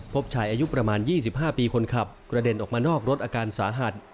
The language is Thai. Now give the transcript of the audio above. พบชายอายุประมาณ๒๕ปีคนขับกระเด็นออกมานอกรถอาการสาหัส